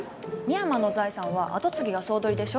深山の財産は跡継ぎが総取りでしょ。